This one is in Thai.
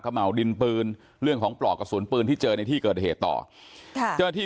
กระเมาดินปืนเรื่องของปลอกกระสุนปืนที่เจอในที่เกิดเหตุต่อที่